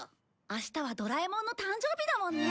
明日はドラえもんの誕生日だもんね。